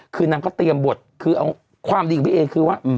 คือนางก็เตรียมบทคือเอาความดีของพี่เอคือว่า